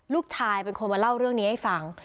ลูกชายเป็นคนมาเล่าเรื่องนี้ให้ฟัง